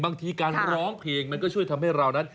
บางทีการร้องเพลงมันก็ช่วยทำให้เรานั้น